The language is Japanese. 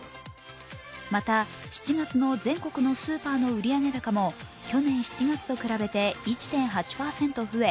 また７月の全国のスーパーの売上高も去年７月と比べて１．８％増え